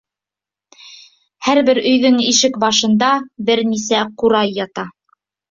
Һәр бер өйҙөң ишек башында бер нисә ҡурай ята.